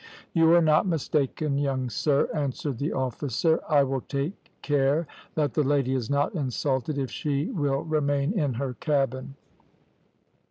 "`You are not mistaken, young sir,' answered the officer. `I will take care that the lady is not insulted if she will remain in her cabin.'